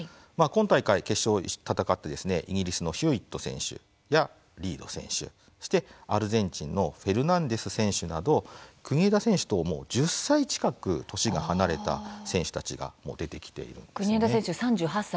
今大会、決勝を戦ったイギリスのヒューイット選手やリード選手そして、アルゼンチンのフェルナンデス選手など国枝選手と、もう１０歳近く年が離れた選手たちが国枝選手３８歳ですからね。